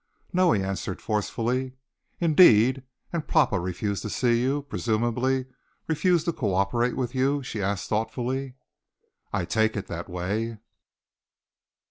"No," he answered forcibly. "Indeed! And papa refused to see you presumably refused to cooperate with you?" she asked thoughtfully. "I take it that way."